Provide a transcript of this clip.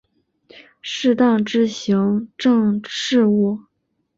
适当之行政事务